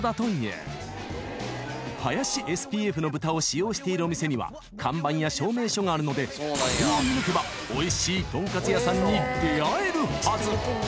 ［林ＳＰＦの豚を使用しているお店には看板や証明書があるのでこれを見抜けばおいしいとんかつ屋さんに出合えるはず］